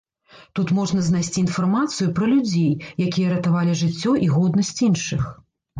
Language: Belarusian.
Тут можна знайсці інфармацыю пра людзей, якія ратавалі жыццё і годнасць іншых.